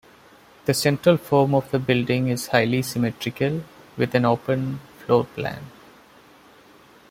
The central form of the building is highly symmetrical with an open floor plan.